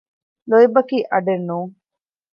ލޯތްބަކީ އަޑެއް ނޫން